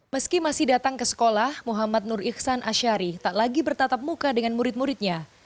meski masih datang ke sekolah muhammad nur iksan ashari tak lagi bertatap muka dengan murid muridnya